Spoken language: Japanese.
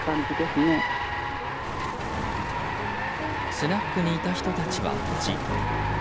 スナックにいた人たちは無事。